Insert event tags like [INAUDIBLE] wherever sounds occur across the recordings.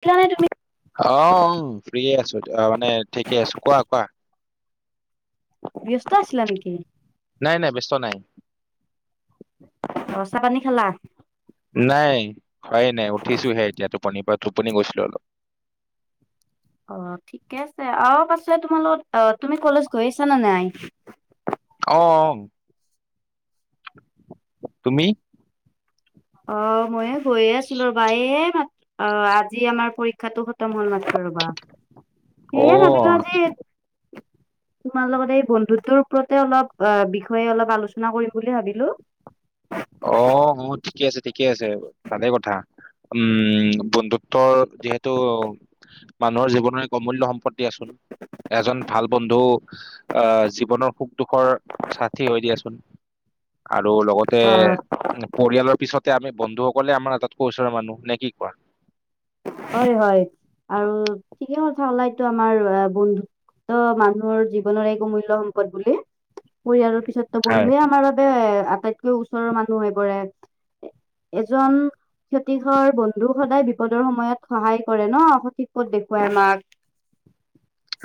তেতিয়া হ'লে তুমি ফু্ৰিয়ে আছো অঁ, মানে ঠিকে আছো। কোৱা কোৱা? ব্যস্ত আছিলা নেকি? নাই নাই ব্যস্ত নাই। চাহ পানী খালা? নাই খোৱাই নাই। উঠিছোহে এতিয়া টোপনিৰ পৰা টোপনি গৈছিলো অলপ। অঁ, ঠিকে আছে। অঁ, পাছত তোমাৰ লগত অঁ, তুমি কলেজ গৈ আছা নে নাই? অঁ, অঁ। তুমি? অঁ, ময়ে গৈয়ে আছো ৰ'বা! এই মাত্ অঁ, আজি আমাৰ পৰীক্ষাটো খতম হ'ল মানে। ৰ'বা! সেয়ে অ', ভাবিলো আজি তোমাৰ লগত এই বন্ধুত্বৰ ওপৰতে অলপ আ বিষয়ে অলপ আলোচনা কৰিম বুলি ভাবিলোঁ। [UNINTELLIGIBLE] অঁ, মোৰ ঠিকে আছে, ঠিকে আছে ভালেই কথা। উম, বন্ধুত্বৰ যিহেতু মানুহৰ জীৱনৰ এক অমূল্য সম্পদ। দিয়াচোন। এজন ভাল বন্ধু আহ জীৱনৰ সুখ দুখৰ সাঠি হৈ দিয়াচোন। আৰু লগ তে অ পৰিয়ালৰ পিছতে আমি বন্ধুসকলে আমাৰ আটাইতকৈ ওচৰৰ মানুহ। নে কি কোৱা? হয় হয় আৰু ঠিকে কথা ওলাইটো আমাৰ বন্ধু অ মানুহৰ জীৱনৰ এক অমূল্য সম্পদ বুলি। ‌কৈ আৰু পিছত ত হয় বন্ধুৱে আমাৰ বাবে আটাইতকৈ ওচৰৰ মানুহ হৈ পৰে। এজন ক্ষতিসৰ বন্ধু সদায় বিপদৰ সময়ত সহায় কৰে ন, সঠিক পথ দেখুৱাই আমাক।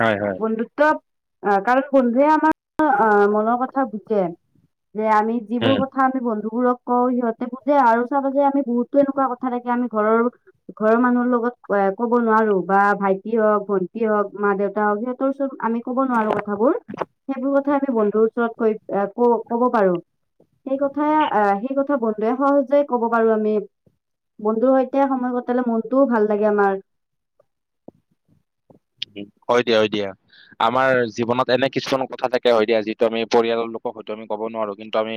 হয় হয়। বন্ধুত্ব আহ কাৰণ বন্ধুৱে আমা আহ মনৰ কথা বুজে। যে আমি উম যিবোৰ ক কথা আমি বন্ধুবোৰক কওঁ সিহঁতে বুজে আৰু চাবা যে আমি বহুতো এনেকুৱা কথা থাকে আমি ঘৰৰ ঘৰৰ মানুহ লগত এ ক'ব নোৱাৰো বা ভাইটি হওক ভন্টি হওক মা দেউতা হওক। সিহঁতৰ ওচৰত আমি ক'ব নোৱাৰো কথাবোৰ। সেইবোৰ কথা আমি বন্ধুৰ ওচৰত কৈ ক ক'ব পাৰো। সেই কথা আহ সেই ক বন্ধুৱে সহজতে কব পাৰো আমি। বন্ধুৰ সৈতে সময় কটালে মন টোও ভাল লাগে আমাৰ। উ। হয় দিয়া হয় দিয়া। আমাৰ জীৱনত এনে কিছুমান কথা থাকে হয় দিয়া। যিটো আমি পৰিয়ালৰ লোকক হয়তো আমি কব নোৱাৰো কিন্তু আমি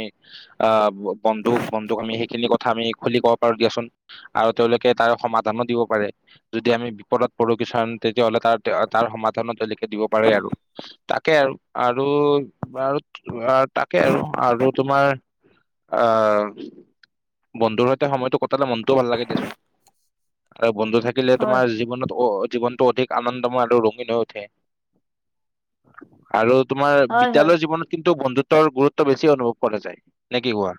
আহ বন্ধুক বন্ধুক আমি সেইখিনি কথা আমি খুলি কব পাৰো দিয়াচোন। আৰু তেওঁলোকে তাৰ সমাধানো দিব পাৰে। যদি আমি বিপদত পৰো কিছুমান তেতিয়াহ'লে তাত তাৰ সমাধানত তেওঁলোকে দিব পাৰে আৰু। তাকে আৰু আৰু [UNINTELLIGIBLE] তাকে আৰু আৰু তোমাৰ আহ বন্ধুৰ সৈতে সময়টো কটালে মনটোও ভাল লাগে দিয়াচোন। আৰু বন্ধু থাক থাকিলে হয় তোমাৰ জীৱনত জীৱনটো অধিক আনন্দময় আৰু ৰঙীন হৈ উঠে। আৰু তোমাৰ হয় হয় বিদ্যালয় জীৱনত কিন্তু বন্ধু তৰ গুৰুত্ব বেছি অনুভৱ কৰা যায়। নে কি কোৱা?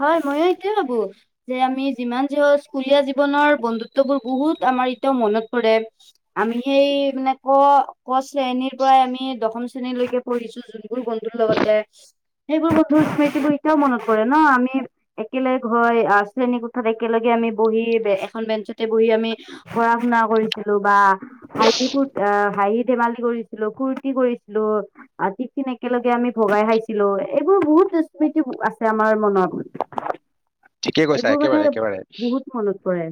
হয়, ময়ো এইটোৱে ভাবো। যে আমি যিমান যি স্কুলীয়া জীৱনৰ বন্ধুত্ব বোৰ বহুত আমাৰ এতিয়াও মনত পৰে। আমি সেই মানে ক ক শ্ৰেণীৰ পৰাই আমি দশম শ্ৰেণীলৈকে পঢ়িছো। যোন বোৰ বন্ধুৰ লগতে। সেইবোৰ বন্ধুৰ স্মৃতিবোৰ এতিয়াও মনত পৰে ন। আমি একেলগে গৈ আহ শ্ৰেণীকোঠাত একেলগে আমি বহি এখন বেঞ্চতে বহি আমি পঢ়া শুনা কৰিছিলো বা [UNINTELLIGIBLE] আহ হাঁহি ধেমালি কৰিছিলো, ফুৰ্তি কৰিছিলো। আৰু টিফিন একেলগে আমি ভগাই খাইছিলো। এইবোৰ বহুত স্মৃতি আছ আছে আমাৰ মনত। ঠিকে কৈছা এইবোৰ একেবাৰে মানে একেবাৰে বহুত মনত পৰে।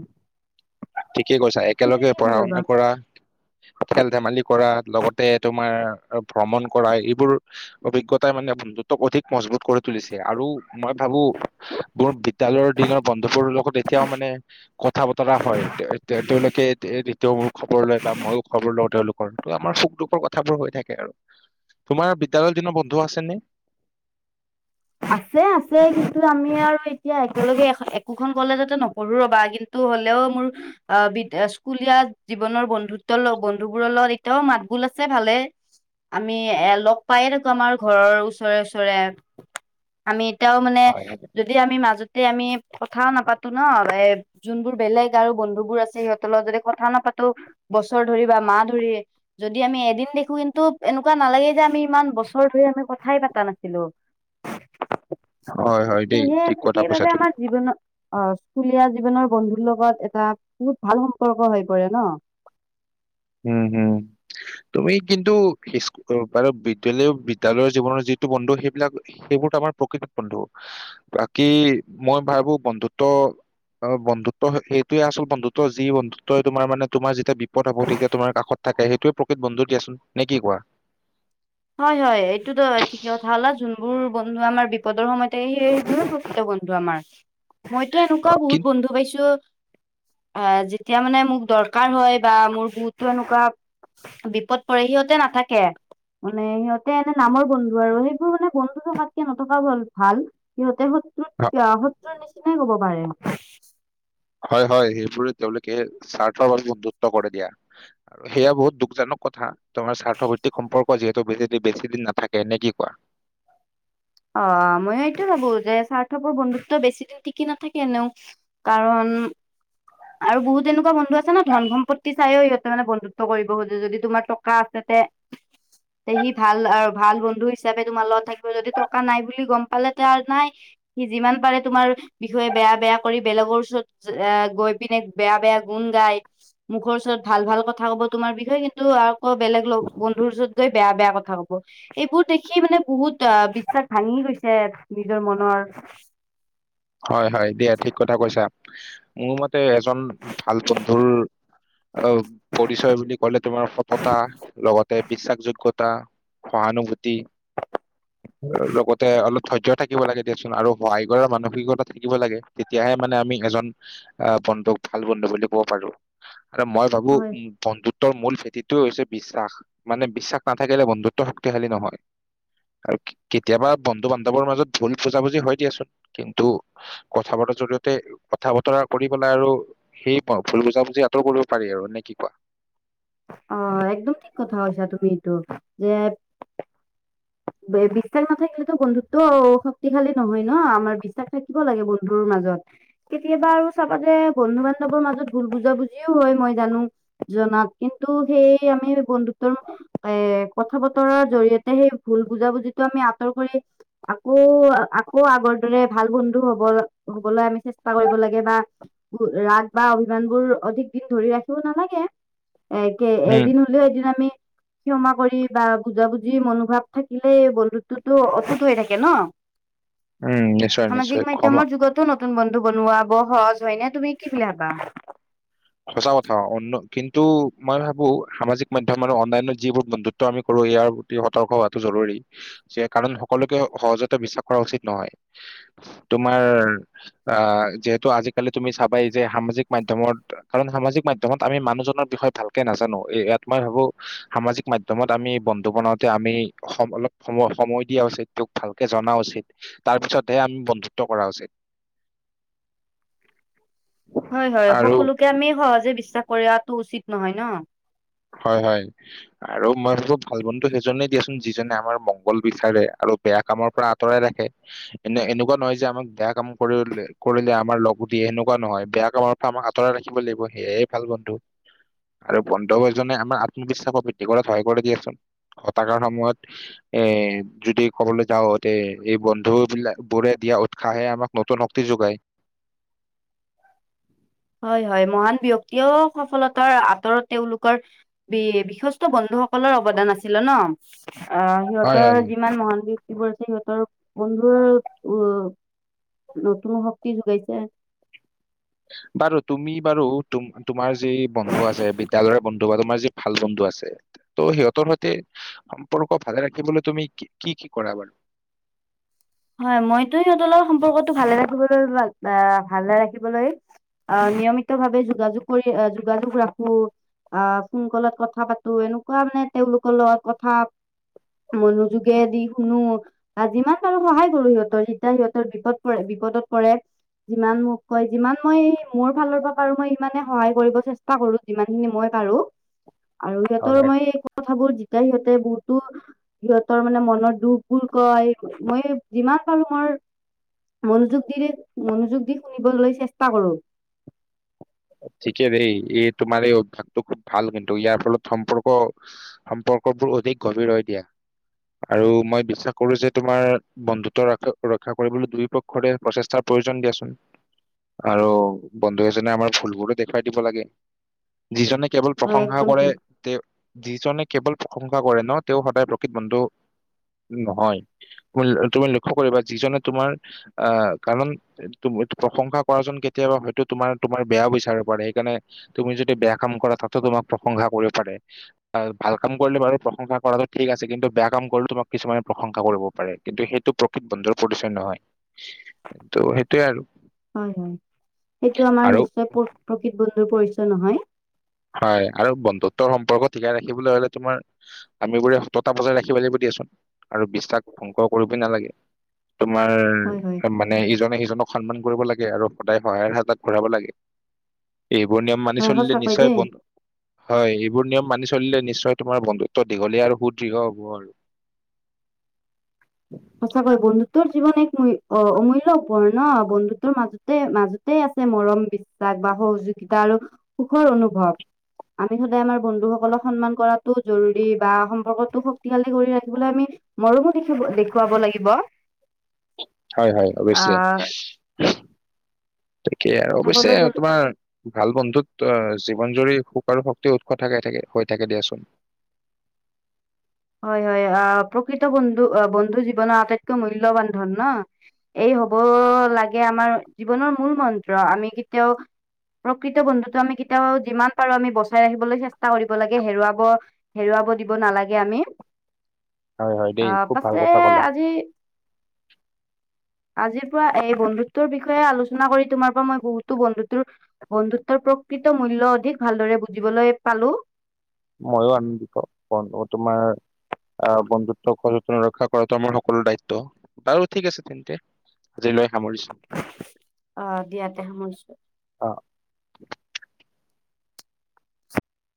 ঠিকে কৈছা। তুমি একেলগে কি বুলি পঢ়া ভাবা শুনা কৰা। খেল ধেমালি কৰা, লগতে তোমাৰ ভ্ৰমণ কৰা এইবোৰ অভিজ্ঞতাই মানে বন্ধুতক অধিক মজবুত কৰি তুলিছে আৰু মই ভাবো মোৰ বিদ্যালয়ৰ দিনৰ বন্ধুবোৰ লগত এতিয়াও মানে কথা ব টৰা হয়। তেওঁলোকে এতিয়া মোৰ খবৰ লয় বা মইও খবৰ লওঁ তেওঁলোকৰ। তো আমাৰ সুখ দুখৰ কথাবোৰ হৈ থাকে আৰু। তোমাৰ বিদ্যালয় দিনৰ বন্ধু আছেনে? আছে আছে কিন্তু আমি আৰু এতিয়া একেলগে একোখন কলেজতে নপঢ়ো ৰ'বা কিন্ টো হ'লেও মোৰ অ বি স্কুলীয়া জীৱনৰ বন্ধুত্ব ল বন্ধু বোৰৰ লগত তেওঁ মাত বোল আছে ভালে। আমি এ লগ পাইয়ে থাকো, আমাৰ ঘৰৰ ওচৰে ওচৰে। আমি এতিয়াও মানে হয়। হয় যদি আমি মাজতে আমি কথাও নাপাতো ন এই যোনবোৰ বেলেগ আৰু বন্ধুবোৰ আছে সিহঁতৰ লগত যদি কথা নাপাতো বছৰ ধৰি বা মাহ ধৰি যদি আমি এদিন দেখো কিন্তু এনেকোৱা নালাগে যে আমি ইমান বছৰ ধৰি আমি কথাই পতা নাছিলো। হয় হয়, দেই সেয়েহে ঠিক কথা কৈছা সেইবাবে তুমি। আমাৰ জীৱনত অ স্কুলীয়া জীৱনৰ বন্ধুৰ লগত এটা বহুত ভাল সম্পৰ্ক হৈ পৰে ন। হুম হুম তুমি কিন্তু বাৰু বিদ্যালয় বিদ্যালয়ৰ জীৱনৰ যিটো বন্ধু সেইবিলাক সেইবোৰতো আমাৰ প্ৰকৃত বন্ধু বাকী মই ভাবো বন্ধুত্ব অ বন্ধুত্ব সেইটোয়ে আচল বন্ধুত্ব যি বন্ধুত্বই তোমাৰ মানে তোমাৰ যেতিয়া বিপদ আপদ হ'ব তেতিয়া তোমাৰ কাষত থাকে সেইটোৱে প্ৰকৃত বন্ধু দিয়াচোন নে কি কোৱা হয় হয় এইটোতো ঠিকে কথা ক'লা যোনবোৰ বন্ধু আমাৰ বিপদৰ সময়তে সেইবোৰে প্ৰকৃত বন্ধু আমাৰ মইতো অ, এনেকোৱা বহুত কিন্তু বন্ধু পাইছো অ যেতিয়া মানে মোক দৰকাৰ হয় বা মোৰ বহুতো এনেকোৱা বিপদ পৰে সিহঁতে নাথাকে। মানে সিহঁতে এনে নামৰ বন্ধু আৰু সেইবোৰ মানে বন্ধু থকাতকে নথকাটোয়ে ভাল। সিহঁতে শত্ৰুত কে অ শত্ৰুৰ নিচিনাই কব পাৰে। হয় হয় সেইবোৰে তেওঁলোকে স্বাৰ্থৰ বাবে বন্ধুত্ব কৰে দিয়া। সেয়া বহুত দুখজনক কথা। তোমাৰ স্বাৰ্থভিত্তিক সম্পৰ্ক যিহেতু বেছিদিন বেছিদিন নাথাকে নে কি কোৱা? অ মই এইটো ভাবো যে স্বাৰ্থপৰ বন্ধুত্ব বেছি দিন টিকি নাথাকে এনেও কাৰণ আৰু বহুত এনেকোৱা বন্ধু আছে ন ধন সম্পত্তি চাইও সিহঁতে মানে বন্ধুত্ব কৰিব খোজে যদি তোমাৰ টকা আছে তে [UNINTELLIGIBLE] তে সি ভাল আৰু ভাল বন্ধু হিচাপে তোমাৰ লগত থাকিব যদি টকা নাই বুলি গম পালে তে আৰু নাই। সি যিমান পাৰে তোমাৰ বিষয়ে বেয়া বেয়া কৰি বেলেগৰ ওচৰত এ গৈ পিনে বেয়া বেয়া গুণ গায় মুখৰ ওচৰত ভাল ভাল কথা কব তোমাৰ বিষয়ে কিন্তু আকৌ বেলেগ বন্ধুৰ ওচৰত গৈ বেয়া বেয়া কথা কব। এইবোৰ দেখি মানে বহুত আ বিশ্বাস ভাঙি গৈছে নিজৰ মনৰ হয় হয় দিয়া ঠিক কথা কৈছা, মোৰ মতে এজন ভাল বন্ধুৰ অ পৰিচয় বুলি ক'লে তোমাৰ সততা লগতে বিশ্বাসযোগ্য তা সহানুভূতি লগতে অলপ ধৈৰ্য থাকিব লাগে দিয়া চোন আৰু সহায় কৰাৰ মানসিকতা থাকিব লাগে। তেতিয়াহে মানে আমি এজন আহ বন্ধুক ভাল বন্ধু বুলি ক'ব পাৰো। আৰু মই ভাবো হয় বন্ধু ত্বৰ মূল ভেটিটো হৈছে বিশ্বাস মানে বিশ্বাস নাথাকিলে বন্ধুত্ব শক্তিশালী নহয়। আৰু কে কেতিয়াবা বন্ধু বান্ধৱৰ ভুল বুজাবুজি হয় দিয়াচোন কিন্তু কথা পতাৰ জৰিয়তে কথা বতৰা কৰি পেলাই আৰু সেই বাও ভুল বুজাবুজি আঁতৰ কৰিব পাৰি আৰু নে কি কোৱা? অ একদম ঠিক কথা কৈছা তুমি এইটো যে বিশ্বাস নাথাকিলেতো বন্ধুত্বও শক্তিশালী নহয় ন আমাৰ বিশ্বাস থাকিব লাগে বন্ধুৰ মাজত। কেতিয়াবা আৰু চাবা যে বন্ধু বান্ধৱৰ মাজত ভুল বুজাবুজিও হয় মই জানো কিন্তু আমাৰ কিন্তু সেই আমি বন্ধুত্বৰ এ কথা বতৰাৰ জৰিয়তে সেই ভুল বুজাবুজিটো আমি আঁতৰ কৰি আকৌ আকৌ আগৰ দৰে ভাল বন্ধু হব হ'বলৈ আমি চেষ্টা কৰিব লাগে বা ৰাগ বা অভিমান বোৰ অধিক দিন ধৰি ৰাখিব নালাগে এই [UNINTELLIGIBLE] কোৱা? এদিন হলেও এদিন আমি ক্ষমা কৰি বা বুজাবুজি মনোভাৱ থাকিলে বন্ধুত্বতো অটুট হৈ থাকে ন? উম নিশ্চয় নিশ্চয় সামাজিক ক্ষমা মাধ্যমৰ যুগতো নতুন বন্ধু বনোৱা বৰ সহজ হয় নে তুমি কি বুলি ভাবা? সঁচা কথা [UNINTELLIGIBLE] কিন্তু মই ভাবো সামাজিক মাধ্যমৰ আৰু অনলাইনৰ যিবোৰ বন্ধু -ত্ব আমি কৰো ইয়াৰ প্ৰতি সতৰ্ক হোৱাটো জৰুৰী যে কাৰণ সকলোকে সহজতে বিশ্বাস কৰা উচিত নহয়। তোমাৰ আহ যিহেতু আজিকালি তুমি চাবাই যে সামাজিক মাধ্যমত কাৰণ সামাজিক মাধ্যমত আমি মানুহজনৰ বিষয়ে ভালকে নাজানো এই ইয়াত মই ভাবো সামাজিক মা -ধ্যমত আমি বন্ধু বনাওঁতে আমি সম অলপ সময় সময় দিয়া উচিত। তেওঁক ভালকে জনা উচিত। তাৰ পিছতহে আমি বন্ধুত্ব কৰা উচিত। [INAUDIBLE] হয়, হয়। আৰু সকলোকে আমি সহজে বিশ্বাস কৰি [UNINTELLIGIBLE] উচিত নহয় ন? হয়, হয়। আৰু মই ভাবো ভাল বন্ধু সেইজনে দিয়াচোন যিজনে আমাৰ মংগল বিচাৰে আৰু বেয়া কামৰ পৰা আঁতৰাই ৰাখে। এনে এনেকুৱা নহয় যে আমাক বেয়া কাম কৰিলে কৰিলে আমাৰ লগো দিয়ে সেনেকুৱা নহয় বেয়া কামৰ আমাক আঁতৰাই ৰাখিব লাগিব সেয়াই ভাল বন্ধু আৰু বন্ধু [UNINTELLIGIBLE] জনে আমাৰ আত্মবিশ্বাসক বৃদ্ধি কৰাত সহায় কৰে দিয়াচোন হতাশাৰ সময়ত। এ যদি ক'বলৈ যাও তে এই বন্ধু বিলাক বোৰে দিয়া উৎসাহে আমাক নতুন শক্তি যোগায়। হয়, হয়। মহান ব্যক্তিয়েও সফলতাৰ আঁতৰত তেওঁলোকৰ বি বিশিষ্ট বন্ধুসকলৰ অৱদান আছিলে ন? অ হয় সিহঁতৰ হয় যিমান মহান [UNINTELLIGIBLE] সিহঁতৰ বন্ধুৰ উ নতুন শক্তি যোগাইছে। বাৰু তুমি বাৰু তোম তোমাৰ যি বন্ধু আছে বিদ্যালয়ৰ বন্ধু বা তোমাৰ যি ভাল বন্ধু আছে ত' সিহঁতৰ সৈতে সম্পৰ্ক ভালে ৰাখিবলৈ তুমি কি কি কৰা বাৰু? হয়, মইতো সিহঁতৰ সম্পৰ্কটো ভালে ৰাখিবলৈ [UNINTELLIGIBLE] ভালে ৰাখিবলৈ আহ নিয়মিত ভাৱে যোগাযোগ কৰি আহ যোগাযোগ ৰাখো। আহ ফোন কলত কথা পাতো এনেকুৱা মানে তেওঁলোকৰ লগত কথা মনোযোগেদি শুনো বা যিমান পাৰো সহায় কৰো সিহঁতৰ যেতিয়া সিহঁতৰ বিপদ পৰে বিপদত পৰে। যিমান মোক কয় যিমান মই মোৰ ফালৰ পৰা পাৰো মই সিমানে সহায় কৰিব চেষ্টা [UNINTELLIGIBLE] যিমান খিনি মই পাৰো আৰু যিহেতু হয় হয় মই। কথাবোৰ জিতাই সিহঁতে বহুতো সিহঁতৰ মানে মনৰ দুখ বোৰ কয়। মই যিমান [UNINTELLIGIBLE] মনোযোগ দিৰে মনোযোগ দি শুনিবলৈ চেষ্টা কৰো। ঠিকে দেই এই তোমাৰ এই অভ্যাসটো খুব ভাল কিন্তু ইয়াৰ ফলত সম্পৰ্ক সম্পৰ্কবোৰ অধিক গভীৰ হৈ দিয়া আৰু মই বিশ্বাস কৰো যে তোমাৰ বন্ধুত্ব ৰ ৰক্ষা কৰিবলৈ দুয়ো পক্ষৰে প্ৰচেষ্টাৰ প্ৰয়োজন দিয়াচোন। আৰু বন্ধু এজনে আমাৰ ভুলবোৰো দেখুৱাই দিব লাগে যিজনে কেৱল হয় প্ৰশংসা একদম কৰে। ঠিক তে যিজনে কেৱল প্ৰশংসা কৰে ন তেওঁ সদায় প্ৰকৃত বন্ধু নহয়। তুমি লক্ষ্য কৰিবা যিজনে তোমাৰ কাৰণ তম প্ৰশংসা কৰা জন কেতিয়াবা হয়তো তোমাৰ তোমাৰ বেয়া বিচাৰিব পাৰে সেইকাৰণে তুমি যদি বেয়া কাম কৰা তাতো তোমাক প্ৰশংসা কৰিব পাৰে। ভাল কাম কৰিলে বাৰু প্ৰশংসা কৰাটো ঠিক আছে কিন্তু বেয়া কাম কৰিলে তোমাক কিছুমানে প্ৰশংসা কৰিব পাৰে কিন্তু সেইটো বন্দধৰ পৰিছে নহয়। প্ৰকৃত বন্ধু পৰিচয় নহয়। [UNINTELLIGIBLE] তু সেইটোৱে আৰু। হয় হয়, সেইটো আমাৰ আৰু নিশ্চয় প্ৰ প্ৰকৃত বন্ধুৰ পৰিচয় নহয়। হয় আৰু বন্ধুত্বৰ সম্পৰ্ক ঠিকেই ৰাখিবলৈ হলে তোমাৰ আমিবোৰে সততটা বজাই ৰাখিব লাগিব দিয়াচোন আৰু বিশ্বাস ধ্বংস কৰিব নালাগে। তোমাৰ হয় হয় মানে ইজনে সিজনক সন্মান কৰিব লাগে আৰু সদায় সহায়ৰ হাতাত ঘূৰাব লাগে। এইবোৰ নিয়ম মানি হয় চলিলে সঁচাকৈ নিশ্চয় দেই বন্ধু হয় এইবোৰ নিয়ম মানি চলিলে নিশ্চয় তোমাৰ বন্ধুত্ব দীঘলীয়া আৰু সুদৃঢ় হব আৰু। সঁচাকৈ বন্ধুত্বৰ জীৱন এক অ অমূল্য উপৰণ ন বন্ধুত্বৰ মাজতে মাজ তে আছে মৰম বিশ্বাস বা সহযোগিতা আৰু সুখৰ অনুভৱ। আমি সদায় আমাৰ বন্ধুসকলক সন্মান কৰাটো জৰুৰী বা সম্পৰ্কটো শক্তিশালী কৰি ৰাখিবলৈ আমি মৰমো দেখিব দেখুৱাব লাগিব। হয় হয় অৱশ্য আহ তাকেই আৰু অৱশ্যে চাবলৈ গ'লে তোমাৰ ভাল বন্ধুত অ জীৱন জুৰি সুখ আৰু শক্তি উৎস থাকে থাকে হৈ থাকে দিয়াচোন। হয় হয় আহ প্ৰকৃত বন্ধু আহ বন্ধু জীৱনৰ আটাইতকৈ মূল্যবান ধন ন। এই হব লাগে আমাৰ জীৱনৰ মূল মন্ত্ৰ আমি কেতিয়াও প্ৰকৃত বন্ধুটো আমি কেতিয়াও যিমান পাৰো আমি বচাই ৰাখিবলৈ চেষ্টা কৰিব লাগে হেৰুৱাব হেৰুৱাব দিব নালাগে আমি। হয় হয় দেই আহ খুব ভাল পাছে কথা ক'লা আজি আজিৰ পৰা এই বন্ধুত্বৰ বিষয়ে আলোচনা কৰি তোমাৰ পৰা মই বহুতো বন্ধুত্বৰ বন্ধুত্বৰ প্ৰকৃত মূল্য অধিক ভালদৰে বুজিবলৈ পালো। ময়ো আনন্দিত, [UNINTELLIGIBLE] তোমাৰ। আহ বন্ধুত্ব সচেতন ৰক্ষা কৰাটো আমাৰ সকলোৰে দায়িত্ব। বাৰু ঠিক আছে তেন্ত। আজিলৈ সামৰিছো। অ দিয়া তে সামৰিছো। অ।